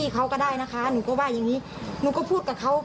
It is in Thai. ขอบคุณครับขอบคุณครับขอบคุณครับ